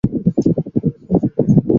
একই ঘটনা পরবর্তী চল্লিশ বছর পর্যন্ত ঘটেছে।